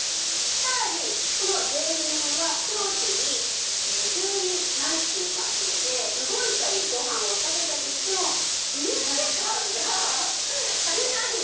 さらにこの前面はクロスに二重になっていますので動いたりご飯を食べたりしても締めつけ感が少ないんです。